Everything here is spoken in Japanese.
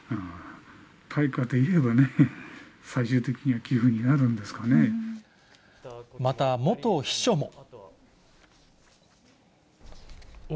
対価といえばね、最終的には寄付また、元秘書も。